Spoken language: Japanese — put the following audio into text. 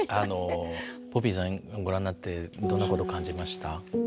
ポピーさんご覧になってどんなこと感じました？